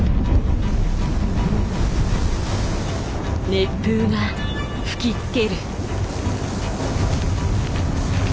熱風が吹きつける。